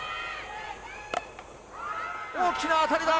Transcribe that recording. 大きな当たりだ。